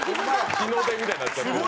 日の出みたいになって。